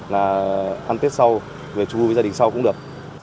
là ăn tết sau về chung vui với gia đình sau cũng được